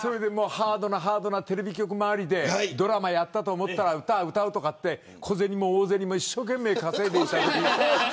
ハードなテレビ局回りでドラマやったと思ったら歌を歌うとかで小銭も大銭も一生懸命稼いでいた時期。